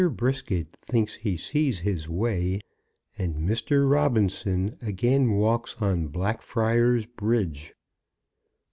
BRISKET THINKS HE SEES HIS WAY, AND MR. ROBINSON AGAIN WALKS ON BLACKFRIARS BRIDGE.